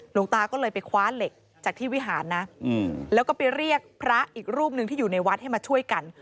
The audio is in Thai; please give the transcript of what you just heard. หลวงตาก็เลยไปคว้าเหล็กจากที่วิหารนะแล้วก็ไปเรียกพระอีกรูปหนึ่งที่อยู่ในวัดให้มาช่วยกัน